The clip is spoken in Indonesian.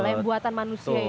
yang buatan manusia itu